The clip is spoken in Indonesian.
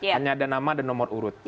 hanya ada nama dan nomor urut